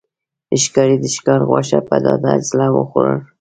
ښکاري د ښکار غوښه په ډاډه زړه وخوړل.